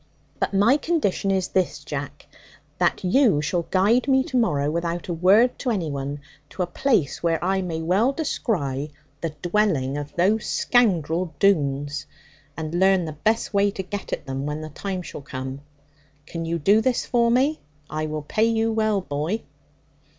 'But my condition is this, Jack that you shall guide me to morrow, without a word to any one, to a place where I may well descry the dwelling of these scoundrel Doones, and learn the best way to get at them, when the time shall come. Can you do this for me? I will pay you well, boy.'